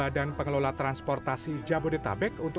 disenggar kond yeteritas tersebut